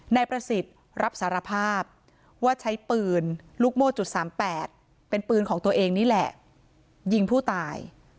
นายประสิทธิ์รับสารภาพว่าใช้ปืนลูกโม่จุด๓๘เป็นปืนของตัวเองนี่แหละยิงผู้ตาย